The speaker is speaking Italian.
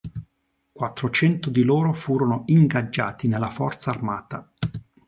Quattrocento di loro furono "ingaggiati nella forza armata".